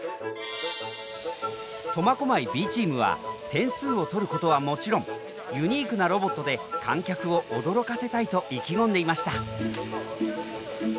苫小牧Ｂチームは点数を取ることはもちろんユニークなロボットで観客を驚かせたいと意気込んでいました。